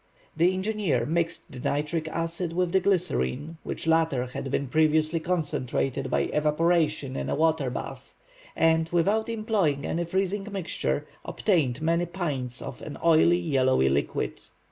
The engineer mixed the nitric acid with the glycerine, which latter had been previously concentrated by evaporation in a water bath, and without employing any freezing mixture, obtained many pints of an oily yellow liquid.